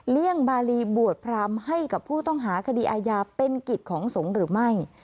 เลี่ยงบาลีบวชพรามให้กับผู้ต้องหาคดีอาญาเป็นกิจของสงฆ์หรือไม่